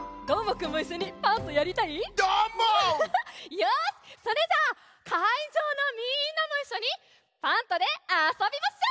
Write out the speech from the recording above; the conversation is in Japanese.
よしそれじゃあかいじょうのみんなもいっしょに「パント！」であそびましょう！